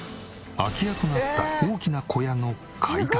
空き家となった大きな小屋の解体。